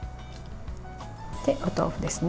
お豆腐ですね。